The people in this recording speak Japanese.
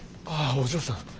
ああお嬢さん。